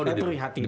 oh di perhatikan